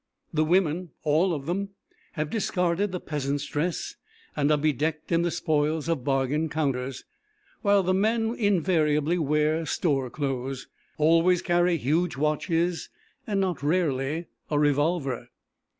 The women all of them, have discarded the peasant's dress and are bedecked in the spoils of bargain counters; while the men invariably wear "store clothes," always carry huge watches and not rarely a revolver.